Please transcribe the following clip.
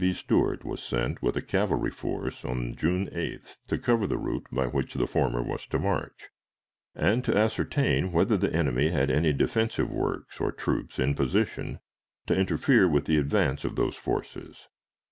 B. Stuart was sent with a cavalry force on June 8th to cover the route by which the former was to march, and to ascertain whether the enemy had any defensive works or troops in position to interfere with the advance of those forces.